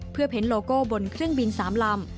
เพื่อเพ้นโลโก้บนเครื่องบิน๓ลำ